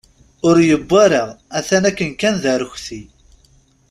Ur yewwa ara, atan akken kan d arekti.